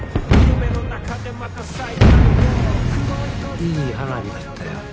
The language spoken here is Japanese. いい花火だったよ。